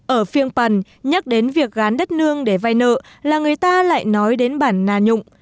ở phiên bản nhắc đến việc gán đất nương để vay nợ là người ta lại nói đến bản nà nhụng